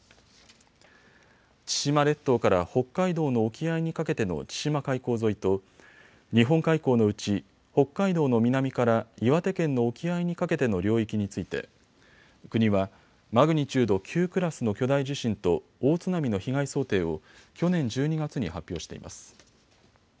千島列島から北海道の沖合にかけての千島海溝沿いと日本海溝のうち北海道の南から岩手県の沖合にかけての領域について国はマグニチュード９クラスの巨大地震と大津波の被害想定を去年１２月に発表しています。